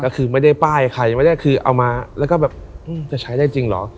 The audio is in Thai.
ก็คือไม่ได้ป้ายใครยังไม่ได้คือเอามาแล้วก็แบบจะใช้ได้จริงเหรอ